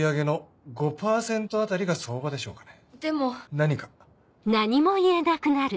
何か？